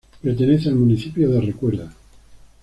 Pertenece al municipio de Recuerda.